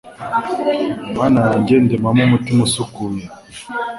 Mana yanjye ndemamo umutima usukuye